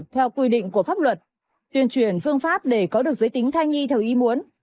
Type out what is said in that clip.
theo quy định của pháp luật tuyên truyền phương pháp để có được giới tính thai nhi theo ý muốn